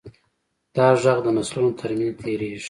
دا غږ د نسلونو تر منځ تېرېږي.